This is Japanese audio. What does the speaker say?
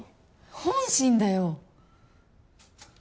本心だよ！